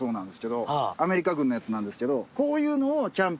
アメリカ軍のやつなんですけど。